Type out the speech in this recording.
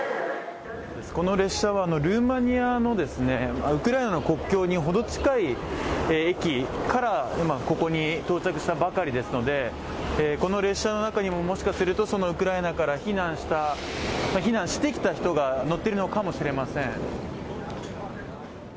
この列車はルーマニアの、ウクライナの国境にほど近い駅から今、ここに到着したばかりですのでこの列車の中にも、もしかするとウクライナから避難してきた人が乗っているのかもしれません。